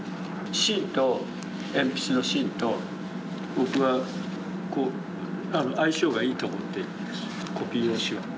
芯と鉛筆の芯と僕はこう相性がいいと思っているんですコピー用紙は。